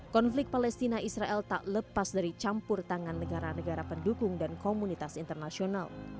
konflik palestina israel tak lepas dari campur tangan negara negara pendukung dan komunitas internasional